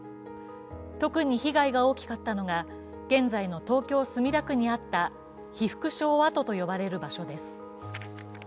特に被害が大きかったのが現在の東京・墨田区にあった被服廠跡と呼ばれる場所です。